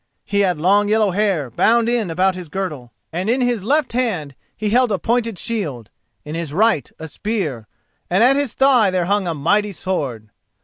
He had long yellow hair bound in about his girdle, and in his left hand he held a pointed shield, in his right a spear, and at his thigh there hung a mighty sword.